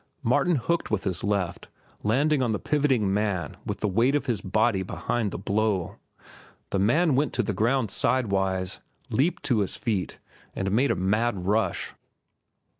Martin hooked with his left, landing on the pivoting man with the weight of his body behind the blow. The man went to the ground sidewise, leaped to his feet, and made a mad rush.